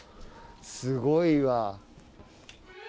すごいわ。